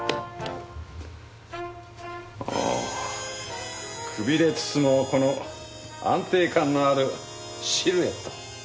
おくびれつつもこの安定感のあるシルエット。